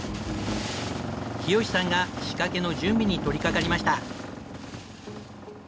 清志さんが仕掛けの準備に取りかかりました。